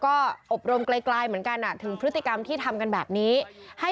ก็อบรมไกลเหมือนกันถึงพฤติกรรมที่ทำกันแบบนี้ให้